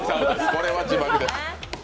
これは自爆です。